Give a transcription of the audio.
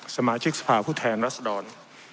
สมาชิกสภาพผู้แทนรัศดร